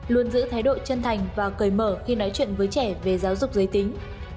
luôn giữ thái độ chân thành và cởi mở khi nói chuyện với trẻ về giáo dục giới tính